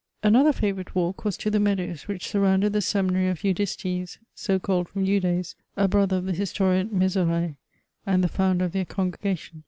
Another favourite walk was to the meadows which surrounded the seminary of Eudistes, so called from Eudes, a brother of the historian Mezerai, and the founder of their oongregation.